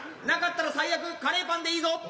なかったら最悪カレーパンでいいぞ。